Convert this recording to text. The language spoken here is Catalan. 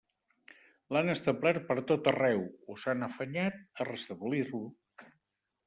L'han establert pertot arreu, o s'han afanyat a restablir-lo.